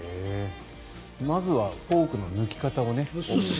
まずはフォークの抜き方をね。